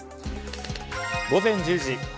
午前１０時。